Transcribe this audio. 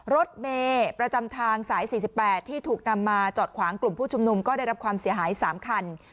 รถเมย์ประจำทางสาย๔๘ที่ถูกนำมาจอดขวางกลุ่มผู้ชุมนุมก็ได้รับความเสียหาย๓คัน